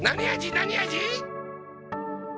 なに味？